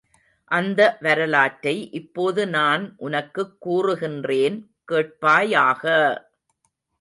அந்த வரலாற்றை இப்போது நான் உனக்குக் கூறுகின்றேன் கேட்பாயாக!